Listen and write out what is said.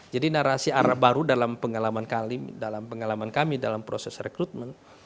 jadi narasi arab baru dalam pengalaman kami dalam proses rekrutmen